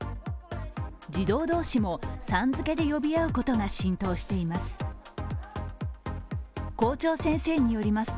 児童同士もさん付けで呼び合うことが浸透しています。